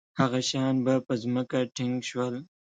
هغه شیان به په ځمکه ټینګ شول.